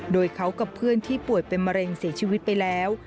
โดยเขากับเพื่อนที่ป่วยเป็นมะเร็งเสียชีวิตไปแล้ว